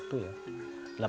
itu yang asli terbakar